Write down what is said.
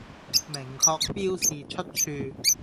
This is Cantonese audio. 明確標示出處